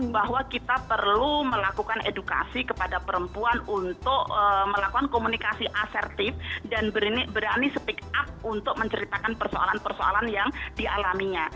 bahwa kita perlu melakukan edukasi kepada perempuan untuk melakukan komunikasi asertif dan berani speak up untuk menceritakan persoalan persoalan yang dialaminya